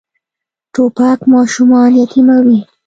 توپک ماشومان یتیموي.